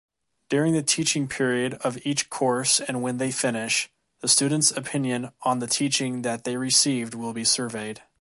During the teaching period of each course and when they finish, the students’ opinion on the teaching that they received will be surveyed.